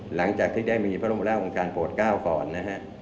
หลังจากที่ได้มีพประวัติบัติไภที่จากห๐๐เเรียง๙